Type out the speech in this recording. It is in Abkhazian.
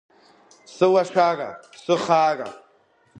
Сылашара, сыхаара!